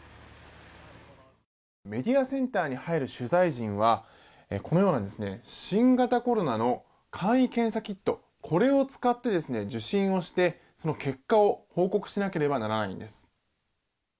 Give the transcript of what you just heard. メディアセンターに入る取材陣はこのような新型コロナの簡易検査キットこれを使って受診をして、結果を報告しなければならないんです。